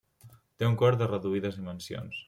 Té un cor de reduïdes dimensions.